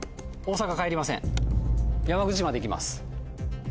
山口まで行きます。